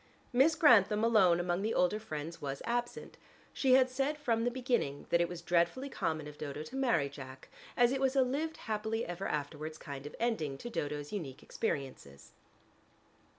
Miss Grantham alone among the older friends was absent: she had said from the beginning that it was dreadfully common of Dodo to marry Jack, as it was a "lived happily ever afterwards" kind of ending to Dodo's unique experiences.